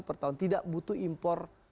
per tahun tidak butuh impor